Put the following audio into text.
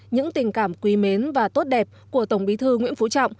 những tình cảm quý mến và tốt đẹp của tổng bí thư nguyễn phú trọng